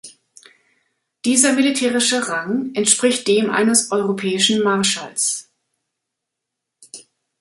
Dieser militärische Rang entspricht dem eines europäischen Marschalls.